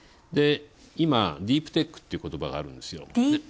今、ディープテックっていうことばがあるんですよ。